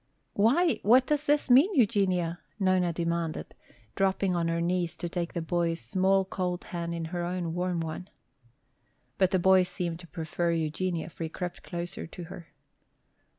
"Why, what does this mean, Eugenia?" Nona demanded, dropping on her knees to take the boy's small, cold hand in her own warm one. But the boy seemed to prefer Eugenia, for he crept closer to her.